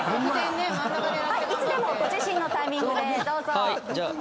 いつでもご自身のタイミングでどうぞ。